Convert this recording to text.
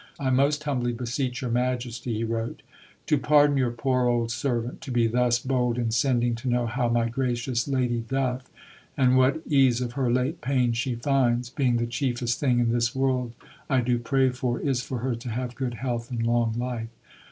"I most humbly beseech your Majesty," he wrote, "to pardon your poor old servant to be thus bold in sending to know how my gracious Lady doth and what ease of her late pain she finds, being the chiefest thing in this world I do pray for is for her to have good health and long life.